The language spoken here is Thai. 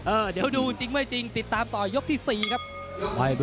เดี๋ยวดูจริงไม่จริงติดตามต่อยกที่๔ครับ